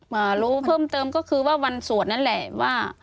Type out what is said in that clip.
มารู้เพิ่มเติมก็คือว่าวันสวดนั่นแหละว่า